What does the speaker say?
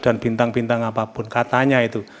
dan bintang bintang apapun katanya itu